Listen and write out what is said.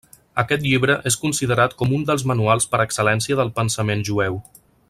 Aquest llibre és considerat com un dels manuals per excel·lència del pensament jueu.